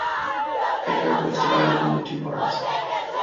The Code was divided into two parts.